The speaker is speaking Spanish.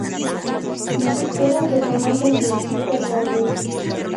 Ni siquiera se conoce si existe realmente.